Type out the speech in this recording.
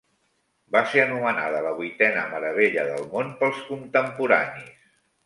Va ser anomenada la "vuitena meravella del món" pels contemporanis.